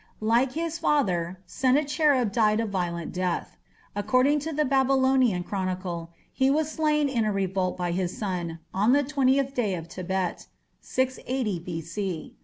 Like his father, Sennacherib died a violent death. According to the Babylonian Chronicle he was slain in a revolt by his son "on the twentieth day of Tebet" (680 B.C).